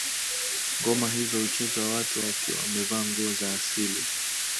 Ngoma hizo huchezwa watu wakiwa wamevaa nguo za asili